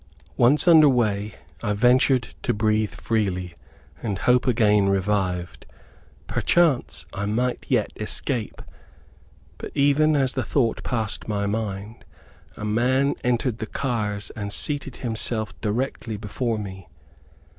Once under way, I ventured to breathe freely, and hope again revived. Perchance I might yet escape. But even as the thought passed my mind, a man entered the cars and seated himself directly, before me.